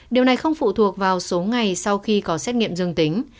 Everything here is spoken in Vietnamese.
điều này không phụ thuộc vào số ngày sau khi có xét nghiệm dương tính